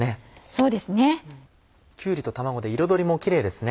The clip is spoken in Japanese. そうですね。